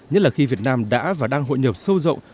nhất là khi việt nam đã và đang hội nhập sâu rộng